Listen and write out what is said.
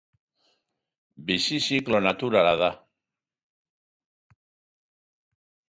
Bizi ziklo naturala da.